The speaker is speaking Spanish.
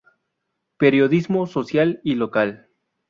Periodismo social y local.